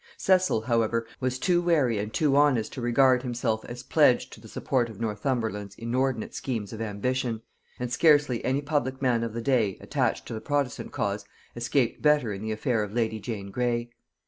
Cecil, however, was both too wary and too honest to regard himself as pledged to the support of Northumberland's inordinate schemes of ambition; and scarcely any public man of the day, attached to the protestant cause, escaped better in the affair of lady Jane Grey.